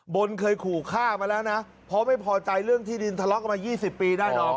นเคยขู่ฆ่ามาแล้วนะเพราะไม่พอใจเรื่องที่ดินทะเลาะกันมา๒๐ปีได้ดอม